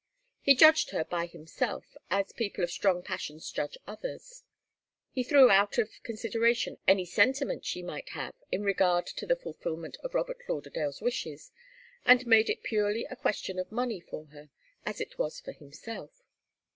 He judged her by himself, as people of strong passions judge others. He threw out of consideration any sentiment she might have in regard to the fulfilment of Robert Lauderdale's wishes, and made it purely a question of money for her, as it was for himself.